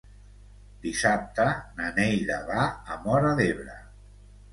Dissabte na Neida va a Móra d'Ebre.